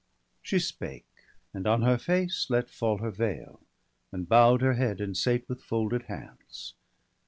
She spake, and on her face let fall her veil. And bow'd her head, and sate with folded hands.